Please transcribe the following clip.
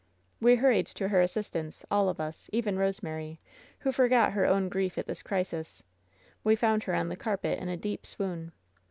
^*We hurried to her assistance, all of us, even Rose mary, who forgot her own grief at this crisis. We found her on the carpet in a deep swoon.